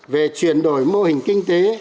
về chuyển đổi mô hình kinh tế